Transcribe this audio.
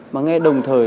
mà nghe đồng thời